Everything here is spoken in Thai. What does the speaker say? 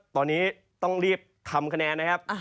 ตอนนี้ต้องรีบทำคะแนนนะครับ